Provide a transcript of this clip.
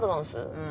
うん。